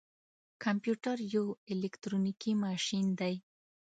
کمپيوټر يو اليکترونيکي ماشين دی.